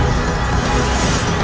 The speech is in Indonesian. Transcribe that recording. aku akan menangkapmu